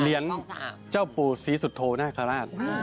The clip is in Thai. เหรียญเจ้าปู่ศรีสุทธโธนาคาราช